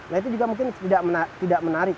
nah itu juga mungkin tidak menarik